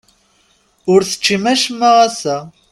Ur teččim acemma ass-a?